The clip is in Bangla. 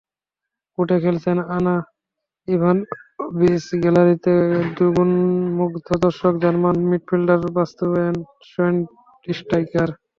কোর্টে খেলছেন আনা ইভানোভিচ, গ্যালারিতে গুণমুগ্ধ দর্শক জার্মান মিডফিল্ডার বাস্তিয়ান শোয়েনস্টাইগার।